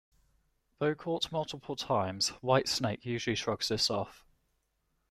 Though caught multiple times, White Snake usually shrugs this off.